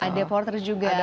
ada porter juga